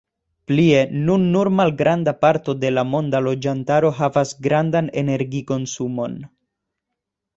Plie, nun nur malgranda parto de la monda loĝantaro havas grandan energikonsumon.